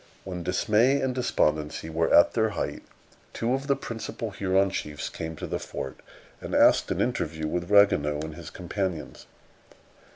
When dismay and despondency were at their height, two of the principal Huron chiefs came to the fort, and asked an interview with Ragueneau and his companions.